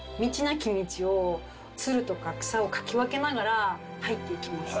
なき道をツルとか草をかき分けながら入っていきます。